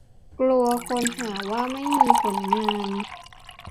กลัวคนหาว่าไม่มีผลงาน